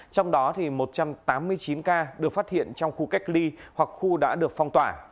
trong đó một trăm tám mươi chín ca được phát hiện trong khu cách ly hoặc khu đã được phong tỏa